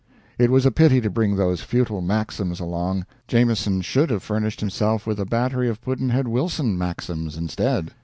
It was a pity to bring those futile Maxims along. Jameson should have furnished himself with a battery of Pudd'nhead Wilson maxims instead.